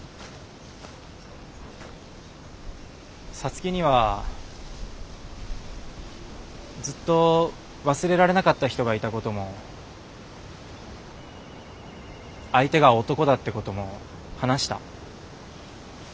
皐月にはずっと忘れられなかった人がいたことも相手が男だってことも話した。